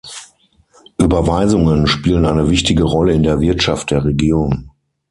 Überweisungen spielen eine wichtige Rolle in der Wirtschaft der Region.